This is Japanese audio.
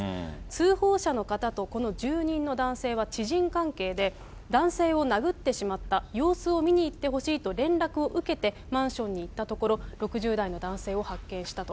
通報者の方とこの住人の男性は知人関係で、男性を殴ってしまった、様子を見に行ってほしいと連絡を受けて、マンションに行ったところ、６０代の男性を発見したと。